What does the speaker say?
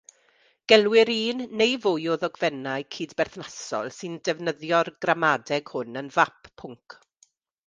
Gelwir un neu fwy o ddogfennau cydberthnasol sy'n defnyddio'r gramadeg hwn yn fap pwnc.